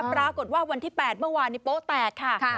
ปรากฏว่าวันที่๘เมื่อวานโป๊ะแตกค่ะ